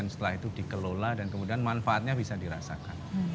setelah itu dikelola dan kemudian manfaatnya bisa dirasakan